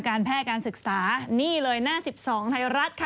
การแพทย์การศึกษานี่เลยหน้า๑๒ไทยรัฐค่ะ